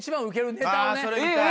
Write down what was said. それ見たい。